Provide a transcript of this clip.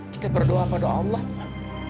kita berdoa pada allah kan